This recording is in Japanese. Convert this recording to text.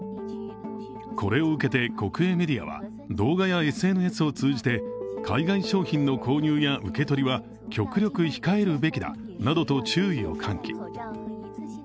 これを受けて国営メディアは動画やＳＮＳを通じて海外商品の購入や受け取りは極力控えるべきだなどと注意を喚起。